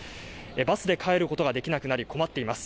バスで帰ることができなくなり困っています。